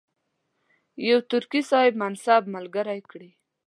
یو ترکي صاحب منصب ملګری کړي.